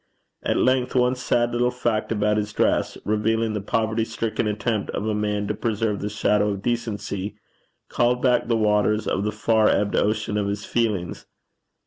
At length one sad little fact about his dress, revealing the poverty stricken attempt of a man to preserve the shadow of decency, called back the waters of the far ebbed ocean of his feelings.